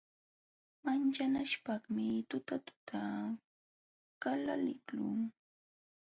Manchanaśhpaqmi tutatuta qapaliqlun.